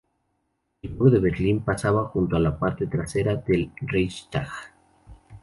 El Muro de Berlín pasaba junto a la parte trasera del Reichstag.